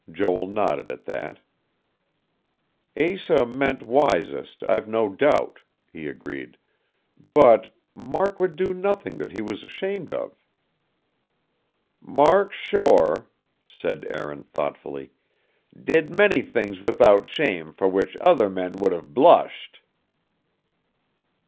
Joel nodded at that. "Asa meant wisest, I've no doubt," he agreed. "But Mark would do nothing that he was shamed of." "Mark Shore," said Aaron thoughtfully, "did many things without shame for which other men would have blushit."